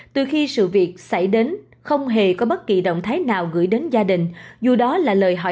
từ khi sự việc xảy đến không hề có bất kỳ động thái nào gửi đến gia đình